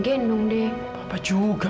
iya apa sudah